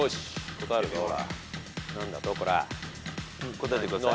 答えてください。